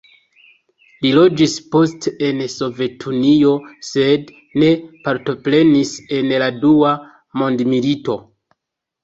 Li loĝis poste en Sovetunio, sed ne partoprenis en la Dua Mondmilito.